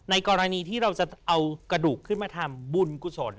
กรณีที่เราจะเอากระดูกขึ้นมาทำบุญกุศล